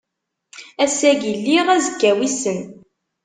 Ass-agi lliɣ, azekka wissen.